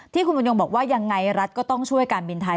ที่คุณบุญยงบอกว่ายังไงรัฐก็ต้องช่วยการบินไทย